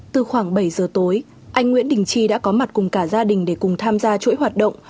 từ khoảng bảy giờ tối anh nguyễn đình chi đã có mặt cùng cả gia đình để cùng tham gia chuỗi hoạt động